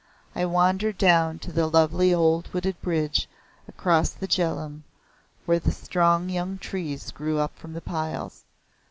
I wandered down to the lovely old wooded bridge across the Jhelum, where the strong young trees grow up from the piles.